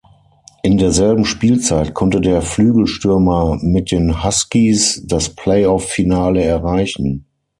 In derselben Spielzeit konnte der Flügelstürmer mit den Huskies das Play-off-Finale erreichen.